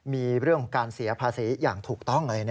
มีเรื่องของการเสียภาษีอย่างถูกต้อง